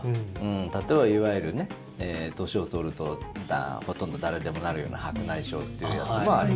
例えば、いわゆるね、年を取るとほとんど誰でもなるような白内障っていうやつもありますよね。